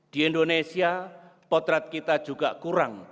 di indonesia potret kita juga kurang